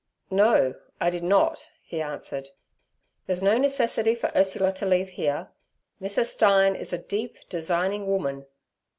'No, I did not' he answered. 'There's no necessity for Ursula to leave here. Mrs. Stein is a deep, designing woman.'